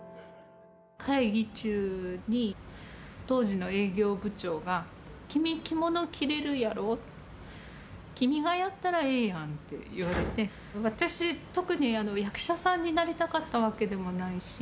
会議中に、当時の営業部長が、君、着物着れるやろう？君がやったらええやんって言われて、私、特に役者さんになりたかったわけでもないし。